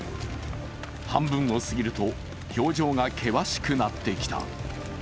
半分を過ぎると表情が険しくなってきた。